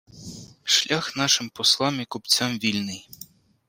Шлях нашим Послам і купцям… вільний